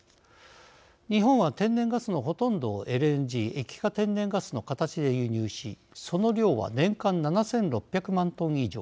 日本は天然ガスのほとんどをＬＮＧ＝液化天然ガスの形で輸入し、その量は年間７６００万トン以上。